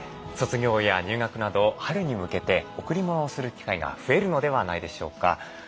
卒業や入学など春に向けて贈り物をする機会が増えるのではないでしょうか。